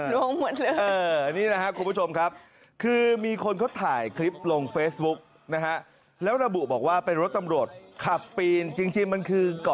ร้วงหมดเลยร้วงหมดเลย